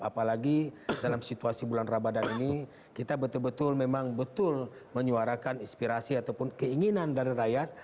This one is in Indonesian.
apalagi dalam situasi bulan rabadan ini kita betul betul memang betul menyuarakan inspirasi ataupun keinginan dari rakyat